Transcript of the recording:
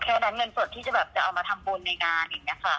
แค่ดันเงินสดที่จะเอามาทำบุญในงานเองค่ะ